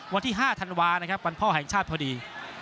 วันที่๕ธันวานะครับวันพ่อแห่งชาติพอดี